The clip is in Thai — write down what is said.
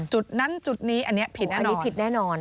จุดนั้นจุดนี้อันนี้ผิดแน่นอน